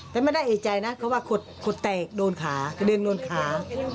แต่ไม่ได้เอกใจนะเขาว่าขดแตกโดนขากระเด็นโดนขา